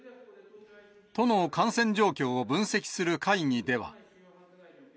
都の感染状況を分析する会議では。